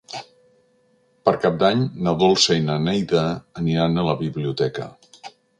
Per Cap d'Any na Dolça i na Neida aniran a la biblioteca.